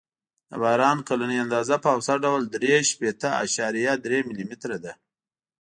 د باران کلنۍ اندازه په اوسط ډول درې شپېته اعشاریه درې ملي متره ده